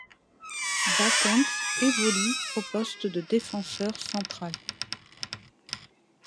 Bakens évolue au poste de défenseur central.